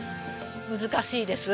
難しいです。